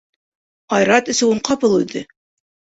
— Айрат эсеүен ҡапыл өҙҙө.